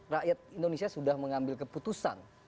rakyat indonesia sudah mengambil keputusan